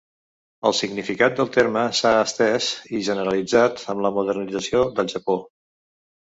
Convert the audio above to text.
El significat del terme s'ha estès i generalitzat amb la modernització del Japó.